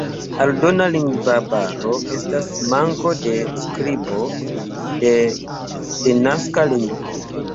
Aldona lingva baro estas manko de skribo de denaska lingvo.